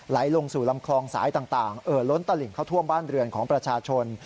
ลงสู่ลำคลองสายต่างล้นตลิ่งเข้าท่วมบ้านเรือนของประชาชน